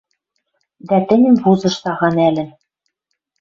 Дӓ тӹньӹм вузыш сага нӓлӹн